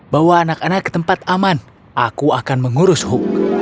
bawa anak anak ke tempat aman aku akan mengurus hook